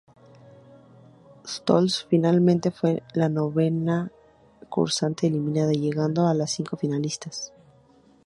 Stolz finalmente fue la novena concursante eliminada, llegando a las cinco finalistas.